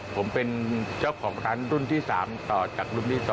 ผมเป็นเจ้าของร้านรุ่นที่๓ต่อจากรุ่นที่๒